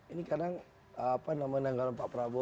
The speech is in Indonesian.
ini kadang apa namanya anggaran pak prabowo